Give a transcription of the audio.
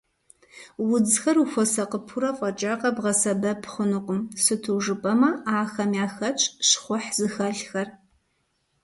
Удзхэр ухуэсакъыпэурэ фӏэкӏа къэбгъэсэбэп хъунукъым, сыту жыпӏэмэ, ахэм яхэтщ щхъухь зыхэлъхэр.